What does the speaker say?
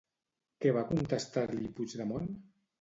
Què va contestar-li Puigdemont?